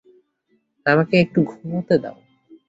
আমাকে একটু ঘুমাইতে দাও।